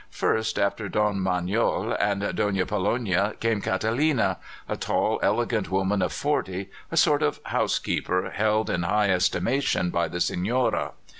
First after Don Manoel and Donna Pollonia came Catalina a tall, elegant woman of forty, a sort of housekeeper held in high estimation by the señora.